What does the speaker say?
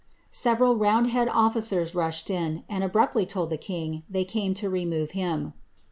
Several roundhead ofHcers rushed in, and abruptly told the king they came to remove him.